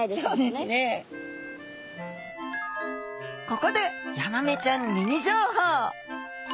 ここでヤマメちゃんミニ情報！